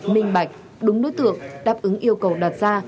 minh bạch đúng đối tượng đáp ứng yêu cầu đặc sá